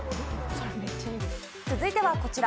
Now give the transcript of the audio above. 続いては、こちら。